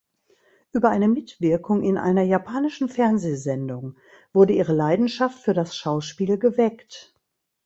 Über eine Mitwirkung in einer japanischen Fernsehsendung wurde ihre Leidenschaft für das Schauspiel geweckt.